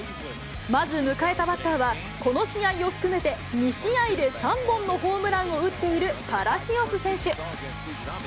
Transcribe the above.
まず迎えたバッターは、この試合を含めて、２試合で３本のホームランを打っているパラシオス選手。